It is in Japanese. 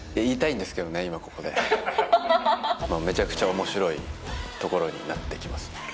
今ここでめちゃくちゃ面白いところになってきますね